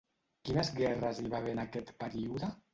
Quines guerres hi va haver en aquest període?